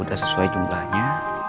udah sesuai jumlahnya